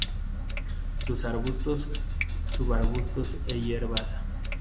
Son arbustos, subarbustos e hierbas.